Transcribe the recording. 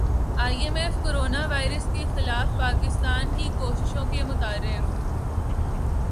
ائی M F corona virus کے خلاف پاکستان کی کاوشوں کا معترف